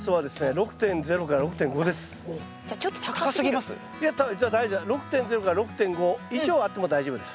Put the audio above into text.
６．０から６．５以上あっても大丈夫です。